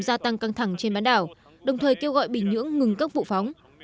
gia tăng căng thẳng trên bán đảo đồng thời kêu gọi bình nhưỡng ngừng các vụ phóng